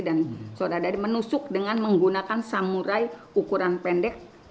dan saudara dari menusuk dengan menggunakan samurai ukuran pendek